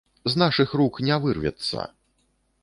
З нашых рук не вырвецца.